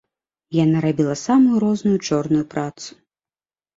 Яна рабіла самую розную чорную працу.